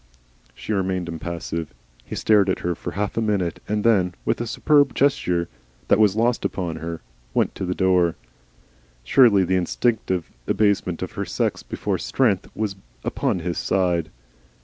She remained impassive. He stared at her for half a minute, and then, with a superb gesture that was lost upon her, went to the door. Surely the instinctive abasement of her sex before Strength was upon his side.